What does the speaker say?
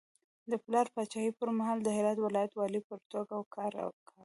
د پلار د پاچاهي پر مهال د هرات ولایت والي په توګه کار کاوه.